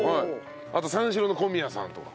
あと三四郎の小宮さんとか。